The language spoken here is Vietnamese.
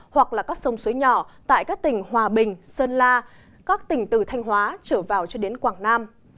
hoặc là các sông suối nhỏ tại các tỉnh hòa bình sơn la các tỉnh từ thanh hóa trở vào cho đến quảng nam